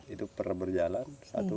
itu pernah berjalan